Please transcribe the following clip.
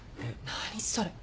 何それ。